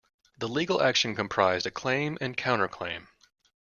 The legal action comprised a claim and counterclaim.